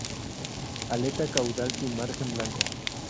Aleta caudal sin margen blanco.